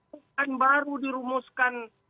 bukan baru dirumuskan